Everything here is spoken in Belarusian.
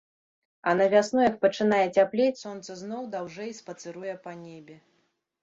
А на вясну, як пачынае цяплець, сонца зноў даўжэй спацыруе па небе.